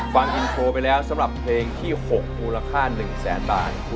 ฟังอินโทรไปแล้วสำหรับเพลงที่๖มูลค่า๑แสนบาท